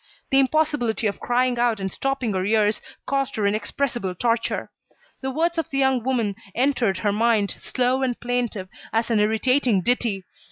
The impossibility of crying out and stopping her ears caused her inexpressible torture. The words of the young woman entered her mind, slow and plaintive, as an irritating ditty.